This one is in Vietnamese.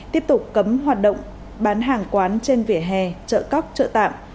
tiếp tục cấm hoạt động bán hàng quán trên vỉa hè chợ cóc chợ tạm